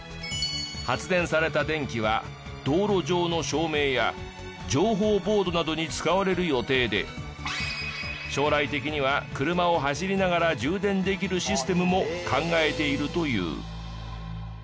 発電された電気は道路上の照明や情報ボードなどに使われる予定で将来的には車を走りながら充電できるシステムも考えているという。